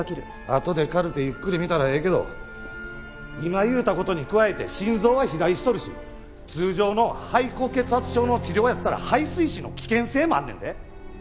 あとでカルテゆっくり見たらええけど今言うた事に加えて心臓は肥大しとるし通常の肺高血圧症の治療やったら肺水腫の危険性もあんねんで。